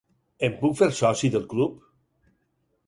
Em puc fer soci del club?